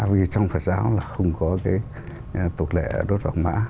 vì trong phật giáo là không có cái tục lệ đốt vàng mã